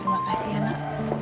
terima kasih ya nak